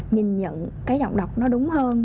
nhìn nhận cái giọng đọc nó đúng hơn